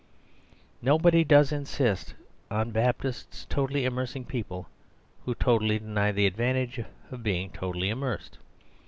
Nobody does in sist on Baptists totally immersing people who totally deny the advantages of being totally immersed.